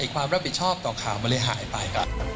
ความรับผิดชอบต่อข่าวมันเลยหายไป